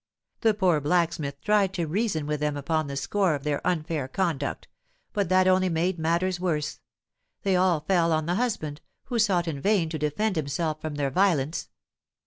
The poor blacksmith tried to reason with them upon the score of their unfair conduct, but that only made matters worse; they all fell on the husband, who sought in vain to defend himself from their violence.